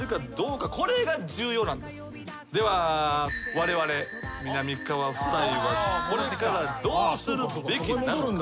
われわれみなみかわ夫妻はこれからどうするべきなのか？